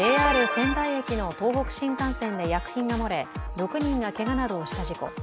仙台駅の東北新幹線で薬品が漏れ６人がけがなどをした事故。